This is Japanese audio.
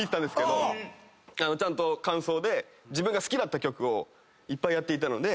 ちゃんと感想で自分が好きだった曲をいっぱいやっていたので。